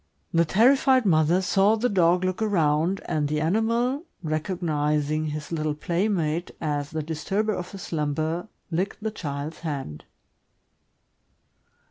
The terrified mother saw the dog look around, and the animal, recognizing his little playmate as the disturber of his slumber, licked the child's hand.